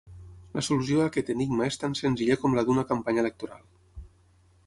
La solució a aquest enigma és tan senzilla com la d'una campanya electoral.